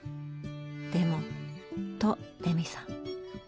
でもとレミさん。